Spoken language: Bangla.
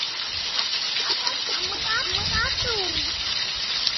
মদীনায় ইহুদীদের গণহত্যার ঘটনা এটিই প্রথম নয়।